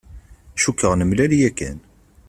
Cukkeɣ nemlal yakan.